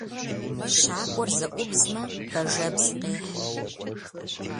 Щакӏуэр зэӏубзмэ, бажэбз къехь.